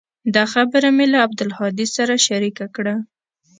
دا خبره مې له عبدالهادي سره شريکه کړه.